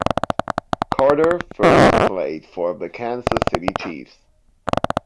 Carter first played for the Kansas City Chiefs.